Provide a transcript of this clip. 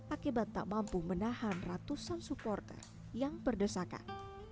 akibat tak mampu menahan ratusan supporter yang berdesakan